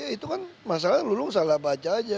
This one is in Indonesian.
itu kan masalahnya lulung salah baca aja